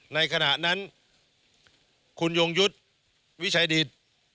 ในขณะนั้นคุณยงยุทธ์วิชัยดิต